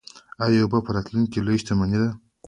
آیا اوبه په راتلونکي کې لویه شتمني نه ده؟